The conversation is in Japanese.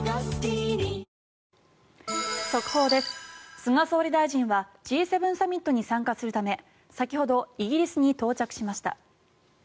菅総理大臣はＧ７サミットに参加するため先ほどイギリスに到着しました。